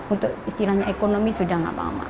untuk istilahnya ekonomi sudah tidak apa apa